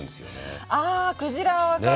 あクジラは分かる。